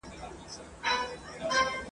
له ازل سره په جنګ یم پر راتلو مي یم پښېمانه !.